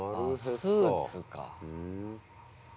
スーツか。